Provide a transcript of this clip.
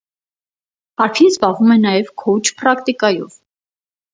Արփին զբաղվում է նաև քոուչ պրակտիկայով։